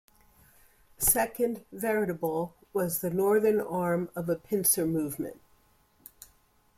Second, "Veritable" was the northern arm of a pincer movement.